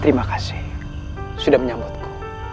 terima kasih sudah menyambutku